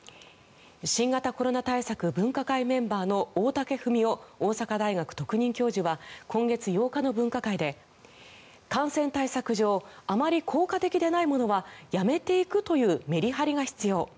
新型コロナ対策分科会メンバーの大竹文雄大阪大学特任教授は今月８日の分科会で感染対策上あまり効果的でないものはやめていくというメリハリが必要。